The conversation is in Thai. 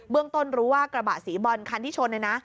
เบื้องต้นรู้ว่ากระบะสีบรอนคันที่ชนเลยนะ